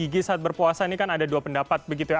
gigi saat berpuasa ini kan ada dua pendapat begitu ya